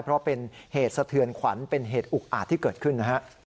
เพราะเป็นเหตุสะเทือนขวัญเป็นเหตุอุกอาจที่เกิดขึ้นนะฮะ